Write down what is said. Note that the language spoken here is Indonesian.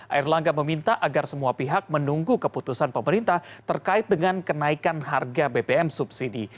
air langga meminta agar semua pihak menunggu keputusan pemerintah terkait dengan kenaikan harga bbm subsidi